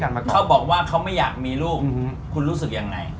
ตอนแรกเขาบอกว่าเขาไม่อยากมีลูกคุณรู้สึกอย่างไหน